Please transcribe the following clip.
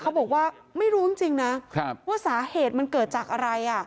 เขาบอกว่าไม่รู้จริงนะว่าสาเหตุมันเกิดจากอะไร